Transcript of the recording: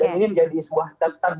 dan ini menjadi sebuah catatan